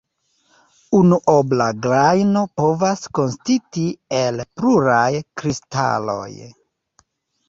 Unuobla grajno povas konsisti el pluraj kristaloj.